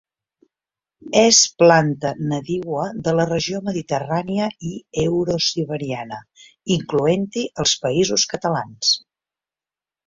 És planta nadiua de la regió mediterrània i eurosiberiana, incloent-hi els Països Catalans.